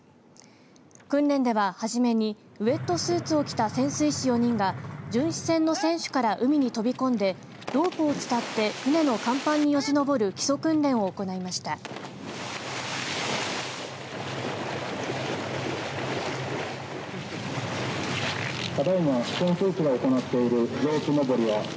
訓練では、はじめにウエットスーツを着た潜水士４人が巡視船の船首から海に飛び込んでロープを伝って船の甲板によじ登る基礎訓練を行いました。